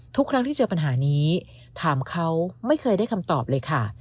ทุกครั้งที่เจอปัญหานี้ถามเขาไม่เคยได้คำตอบเลยค่ะ